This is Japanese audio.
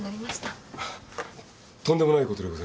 あっとんでもないことでございます。